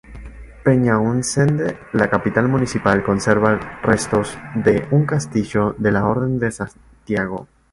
Peñausende, la capital municipal, conserva restos de un castillo de la orden de Santiago.